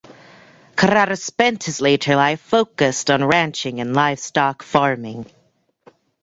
Carrara spent his later life focused on ranching and livestock farming.